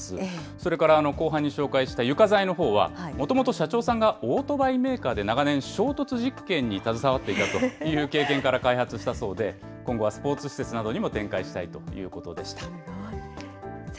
それから後半に紹介した床材のほうは、もともと社長さんがオートバイメーカーで長年衝突実験に携わっていたという経験から開発したそうで、今後はスポーツ施設などにも展開したいということでした。